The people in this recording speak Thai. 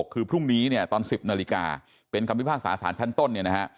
คือพรุ่งนี้ตอน๑๐นาฬิกาเป็นค้ำพิพากษาสารชั้นต้น